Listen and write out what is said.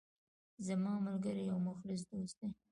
زما ملګری یو مخلص دوست ده